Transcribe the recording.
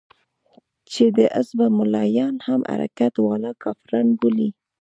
چې د حزب ملايان هم حرکت والا کافران بولي.